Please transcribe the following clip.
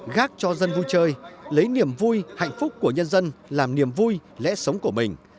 gác cho dân vui chơi lấy niềm vui hạnh phúc của nhân dân làm niềm vui lẽ sống của mình